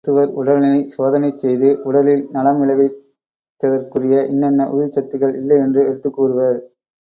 மருத்துவர் உடலினைச் சோதனை செய்து உடலில் நலம் விளைவித்தற்குரிய இன்னின்ன உயிர்ச்சத்துக்கள் இல்லை என்று எடுத்துக் கூறுவர்.